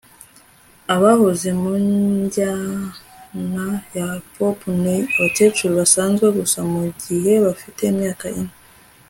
abahoze mu njyana ya pop ni abakecuru basanzwe gusa mugihe bafite imyaka ine